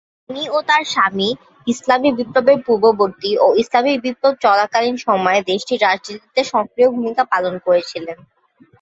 তিনি ও তার স্বামী ইসলামি বিপ্লবের পূর্ববর্তী ও ইসলামি বিপ্লব চলাকালীন সময়ে দেশটির রাজনীতিতে সক্রিয় ভূমিকা পালন করেছিলেন।